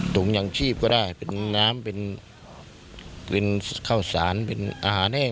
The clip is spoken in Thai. ถุงยางชีพก็ได้เป็นน้ำเป็นข้าวสารเป็นอาหารแห้ง